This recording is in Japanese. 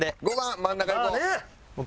真ん中いこう。